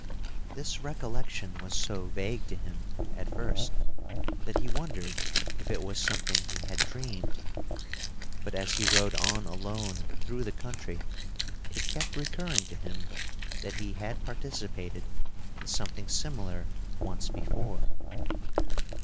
This recollection was so vague to him at first that he wondered if it was something he had dreamed. But as he rode on alone through the country, it kept recurring to him that he had participated in something similar once before.